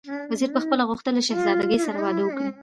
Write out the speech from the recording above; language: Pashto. وزیر پخپله غوښتل چې له شهزادګۍ سره واده وکړي.